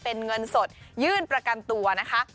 เป็นเงินสดยื่นประกันตัวนะคะ